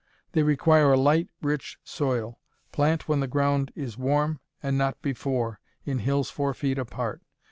They require a light, rich soil. Plant when the ground is warm, and not before, in hills four feet apart.